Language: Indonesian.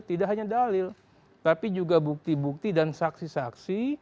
tidak hanya dalil tapi juga bukti bukti dan saksi saksi